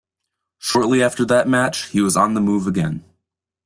Shortly after that match, he was on the move again.